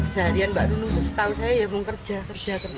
sejadian mbak nunung setahu saya ya mau kerja kerja kerja